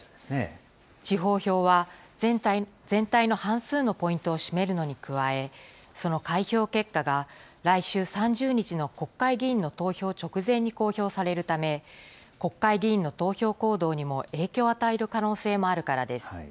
地方票は、全体の半数のポイントを占めるのに加え、その開票結果が来週３０日の国会議員の投票直前に公表されるため、国会議員の投票行動にも影響を与える可能性もあるからです。